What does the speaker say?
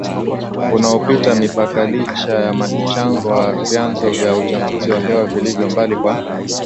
unaopita mipakaLicha ya mchango wa vyanzo vya uchafuzi wa hewa vilivyo mbali kwa